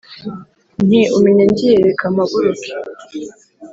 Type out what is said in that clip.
Nti : Umenya ngiye reka mpaguruke!